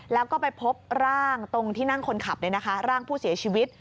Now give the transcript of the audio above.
แล้วก็ไปพบร่างตรงที่นั่งคนขับร่างผู้เสียชีวิต